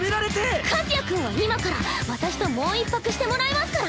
和也君は今から私ともう一泊してもらいますから。